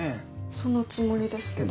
そのつもりですけど。